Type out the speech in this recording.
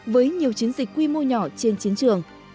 với nhiều chiến dịch quy mô nhỏ trên chiến trường